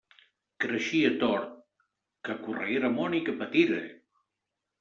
Creixia tort: que correguera món i que patira!